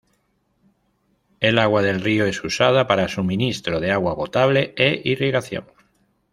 El agua del río es usada para suministro de agua potable e irrigación.